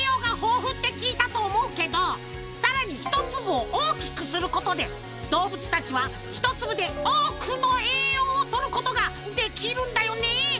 さらに１粒を大きくすることで動物たちは１粒で多くの栄養をとることができるんだよね！